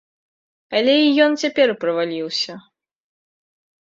Але і ён цяпер праваліўся.